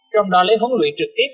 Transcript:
trong đó lấy huấn luyện trực tiếp